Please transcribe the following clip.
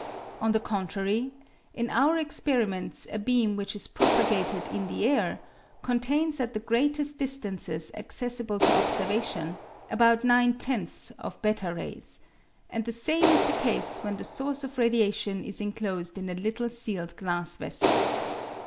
On the contrary, in our experiments a beam which is propagated in the air contains at the greatest distances accessible to observation about 9/10 of )3 rays, and the same is the case when the source of radiation is enclosed in a little sealed glass vessel.